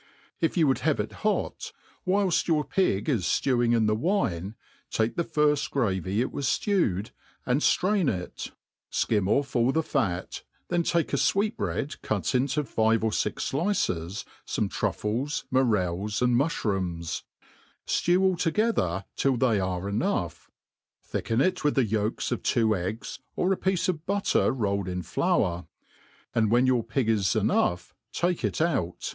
If you would have it hot, whilft your pig is flewing in the wine, take the firft gr^vy it was ftewed, and ftiajn it, fkim off i^Jl the fa% ' then take a fiveetbread cut into five or fix flices, fome trM^es, niorels, and muftirooms ; ftew all together till they are enough, thicken it with the yoJks of two eggs, or a piece of butter rolled in flour, and when your pig is enough take jt out, and '9